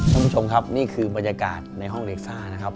ท่านผู้ชมครับนี่คือบรรยากาศในห้องเล็กซ่านะครับ